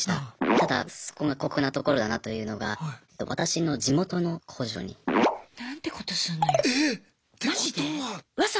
ただそこが酷なところだなというのが私の地元の工場に。なんてことすんのよ！